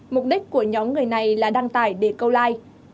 mục đích của nhóm người này là đăng tải để câu like